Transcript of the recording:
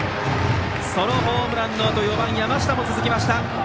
ソロホームランのあと４番の山下も続きました。